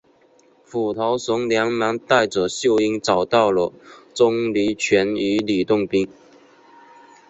斧头神连忙带着秀英找到了钟离权与吕洞宾。